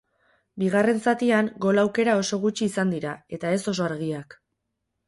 Bigarren zatian gol aukera oso gutxi izan dira, eta ez oso argiak.